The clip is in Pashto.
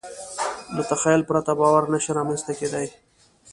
له تخیل پرته باور نهشي رامنځ ته کېدی.